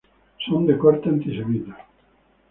Son de corte antisemita.